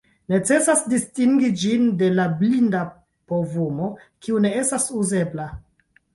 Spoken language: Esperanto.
Necesas distingi ĝin de la blinda povumo, kiu ne estas uzebla.